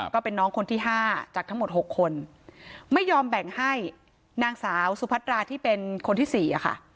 ก็เป็นน้องคนที่๕จากทั้งหมด๖คนไม่ยอมแบ่งให้นางสาวสุพัตราที่เป็นคนที่สี่อะค่ะ